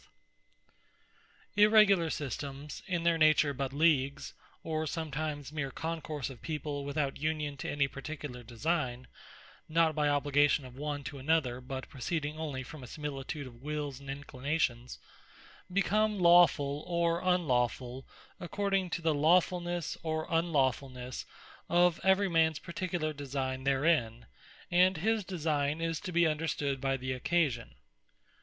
Systemes Irregular, Such As Are Private Leagues Irregular Systemes, in their nature, but Leagues, or sometimes meer concourse of people, without union to any particular designe, not by obligation of one to another, but proceeding onely from a similitude of wills and inclinations, become Lawfull, or Unlawfull, according to the lawfulnesse, or unlawfulnesse of every particular mans design therein: And his designe is to be understood by the occasion.